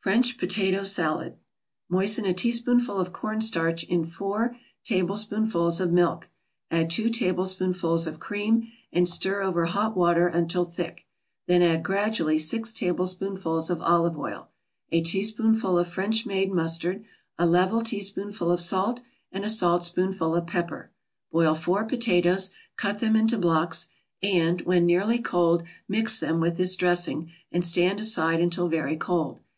FRENCH POTATO SALAD Moisten a teaspoonful of cornstarch in four tablespoonfuls of milk, add two tablespoonfuls of cream and stir over hot water until thick; then add gradually six tablespoonfuls of olive oil, a teaspoonful of French made mustard, a level teaspoonful of salt and a saltspoonful of pepper. Boil four potatoes, cut them into blocks, and, when nearly cold, mix them with this dressing, and stand aside until very cold.